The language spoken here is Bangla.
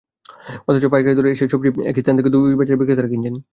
অথচ পাইকারি দরে এসব সবজি একই স্থান থেকে দুই বাজারের বিক্রেতারা কিনছেন।